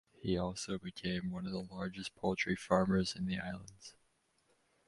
He also became one of the largest poultry farmers in the islands.